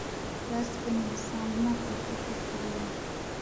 dest bi nivîsandina pirtûkê kiriye